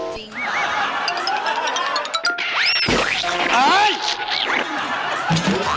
จริงหรอ